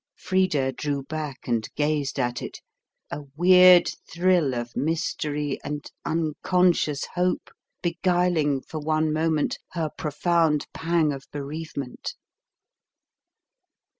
Frida drew back and gazed at it, a weird thrill of mystery and unconscious hope beguiling for one moment her profound pang of bereavement.